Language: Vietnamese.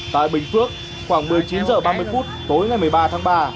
tại bình phước khoảng một mươi chín h ba mươi phút tối ngày một mươi ba tháng ba